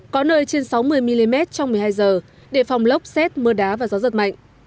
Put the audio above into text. có nơi trên sáu mươi mm trong một mươi hai h để phòng lốc xét mưa đá và gió giật mạnh